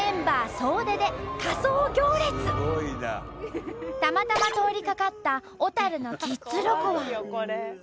総出でたまたま通りかかった小のキッズロコは。